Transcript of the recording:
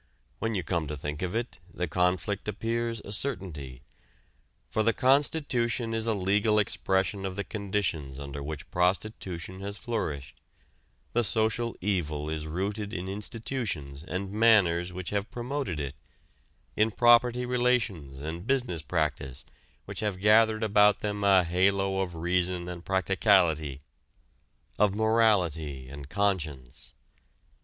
When you come to think of it, the conflict appears a certainty. For the Constitution is a legal expression of the conditions under which prostitution has flourished; the social evil is rooted in institutions and manners which have promoted it, in property relations and business practice which have gathered about them a halo of reason and practicality, of morality and conscience.